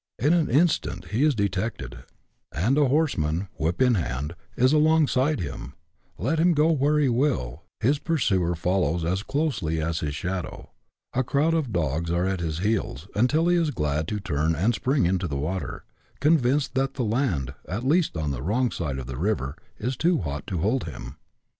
In an instant he is de tected, and a horseman, whip in hand, is alongside of him : let him go where he will, his pursuer follows as closely as his shadow ; a crowd of dogs are at his heels, until he is glad to turn and spring into the water, convinced that the land, at least on the wrong side of the river, is too hot to hold him.